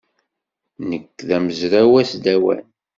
Nekk d amezraw asdawan.